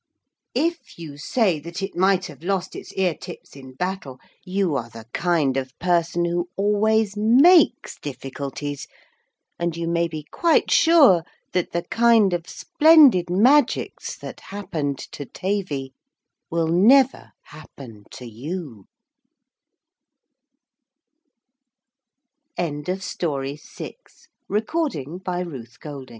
If you say that it might have lost its ear tips in battle you are the kind of person who always makes difficulties, and you may be quite sure that the kind of splendid magics that happened to Tavy will never happen to you. VII BELINDA AND BELLAMANT; OR THE BELLS OF CARRILLON LAND There i